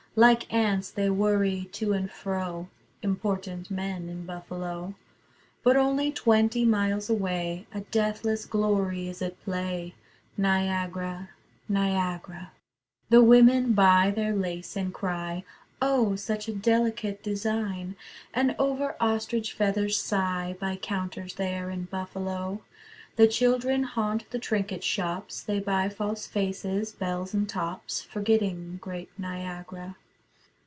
Like ants they worry to and fro, (Important men, in Buffalo.) But only twenty miles away A deathless glory is at play: Niagara, Niagara. The women buy their lace and cry: "O such a delicate design," And over ostrich feathers sigh, By counters there, in Buffalo. The children haunt the trinket shops, They buy false faces, bells, and tops, Forgetting great Niagara.